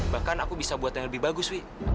bahkan aku bisa buat yang lebih bagus wi